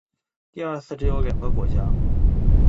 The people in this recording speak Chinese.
第二次只有两个国家。